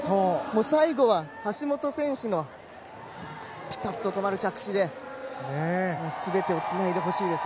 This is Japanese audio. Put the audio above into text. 最後は橋本選手のピタッと止まる着地ですべてをつないでほしいです。